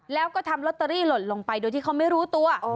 แล้วก็ทำลอตเตอรี่หล่นลงไปโดยที่เขาไม่รู้ตัว